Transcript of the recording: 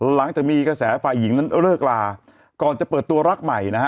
หลังจากมีกระแสฝ่ายหญิงนั้นเลิกลาก่อนจะเปิดตัวรักใหม่นะฮะ